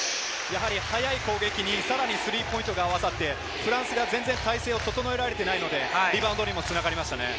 速い攻撃にさらにスリーポイントが合わさって、フランスが態勢を整えられていないのでリバウンドにもつながりましたね。